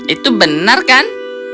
itu benar kan